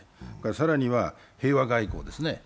更には平和外交ですね。